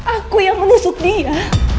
aku yang menusuk dia